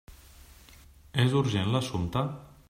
És urgent l'assumpte?